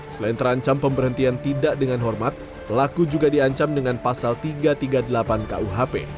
selain terancam pemberhentian tidak dengan hormat pelaku juga diancam dengan pasal tiga ratus tiga puluh delapan kuhp